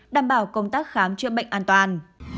đảm bảo công tác khám chữa bệnh an toàn